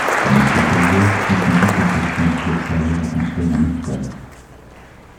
Monsieur Seltzer spécifie que ces fonds doivent servir à construire un hôpital.